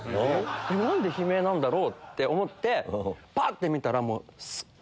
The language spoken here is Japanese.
何で悲鳴なんだろうと思ってぱって見たら。